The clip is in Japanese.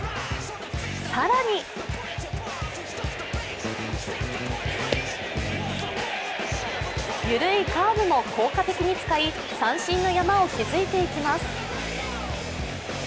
更に緩いカーブも効果的に使い三振の山を築いていきます。